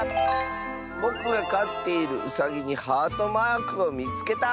「ぼくがかっているうさぎにハートマークをみつけた！」。